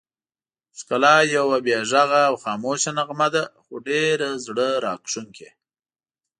ښکلا یوه بې غږه او خاموشه نغمه ده، خو ډېره زړه راښکونکې.